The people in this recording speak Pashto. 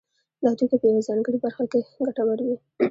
دا توکي په یوه ځانګړې برخه کې ګټور وي